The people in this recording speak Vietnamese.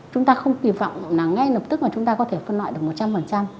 chúng ta không kỳ vọng là ngay lập tức mà chúng ta có thể phân loại được một trăm linh